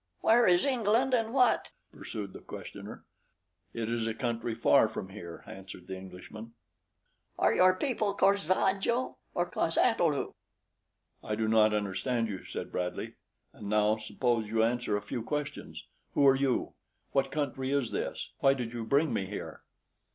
"Where is England and what?" pursued the questioner. "It is a country far from here," answered the Englishman. "Are your people cor sva jo or cos ata lu?" "I do not understand you," said Bradley; "and now suppose you answer a few questions. Who are you? What country is this? Why did you bring me here?"